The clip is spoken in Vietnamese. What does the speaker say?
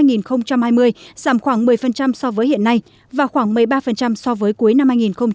giảm khoảng một mươi so với hiện nay và khoảng một mươi ba so với cuối năm hai nghìn một mươi chín